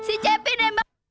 si cepi nembak